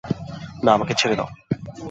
না, আমাকে ছেড়ে দাও!